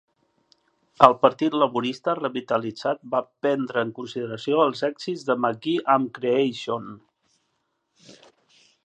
El partit laborista revitalitzat va prendre en consideració els èxits de McGee amb Creation.